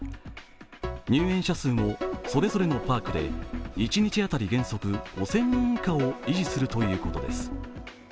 入園者数も、それぞれのパークで一日あたり原則５０００人以下を維持するということです。